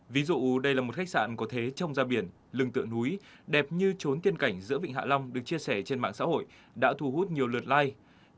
ví dụ đây là một khách sạn có thế trông ra biển lưng tựa núi đẹp như trốn tiên cảnh giữa vịnh hạ long được chia sẻ trên mạng xã hội đã thu hút nhiều lượt like